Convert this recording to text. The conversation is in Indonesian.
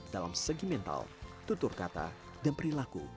dalam segi mental tutur kata dan perilaku